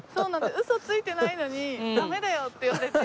ウソついてないのにダメだよって言われて。